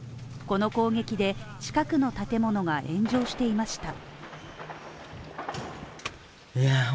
この攻撃で近くの建物が炎上していました。